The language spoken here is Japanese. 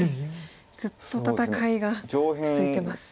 ずっと戦いが続いてます。